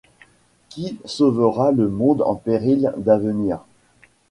Qui sauvera le monde en péril d'avenir ?